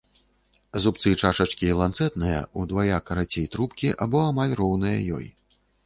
Зубцы чашачкі ланцэтныя, удвая карацей трубкі або амаль роўныя ёй.